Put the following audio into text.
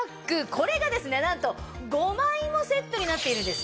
これがなんと５枚もセットになっているんです。